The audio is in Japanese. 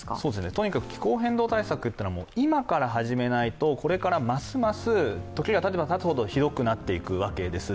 とにかく気候変動対策は今から始めないと、これからますます時がたてばたつほどひどくなっていくわけです。